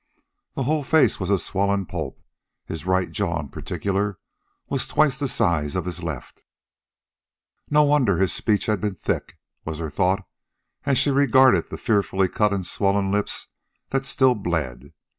The whole face was a swollen pulp. His right jaw, in particular, was twice the size of the left. No wonder his speech had been thick, was her thought, as she regarded the fearfully cut and swollen lips that still bled.